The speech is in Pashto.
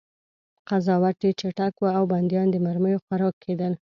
قضاوت ډېر چټک و او بندیان د مرمیو خوراک کېدل